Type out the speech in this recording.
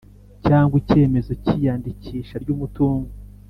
Cyangwa icyemezo cy’ iyandikisha ry’umutungo